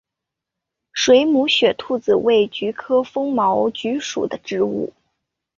水母雪兔子为菊科风毛菊属的植物。